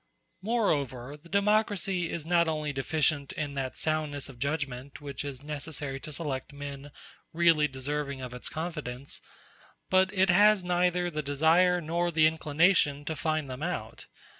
Moreover, the democracy is not only deficient in that soundness of judgment which is necessary to select men really deserving of its confidence, but it has neither the desire nor the inclination to find them out.